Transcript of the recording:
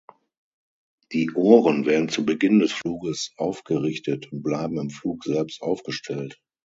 Die Ohren werden zu Beginn des Fluges aufgerichtet und bleiben im Flug selbst aufgestellt.